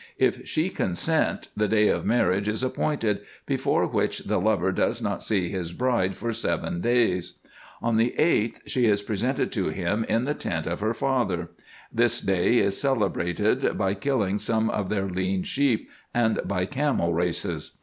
If she consent, the day of marriage is ap pointed, before winch the lover does not see his bride for seven days. On the eighth, she is presented to lum in the tent of her father. This IN EGYPT, NUBIA, &c. 311 day is celebrated by killing some of their lean sheep, and by camel races.